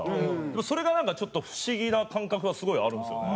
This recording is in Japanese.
でもそれがなんかちょっと不思議な感覚はすごいあるんですよね。